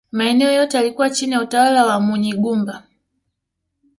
Maeneo yote yaliyokuwa chini ya utawala wa Munyigumba